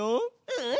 うん！